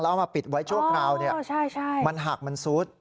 เอามาปิดไว้ชั่วคราวมันหักมันซุด